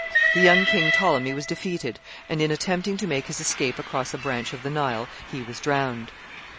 The young king Ptolemy was defeated, and, in attempting to make his escape across a branch of the Nile, he was drowned.